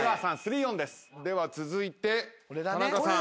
では続いて田中さん。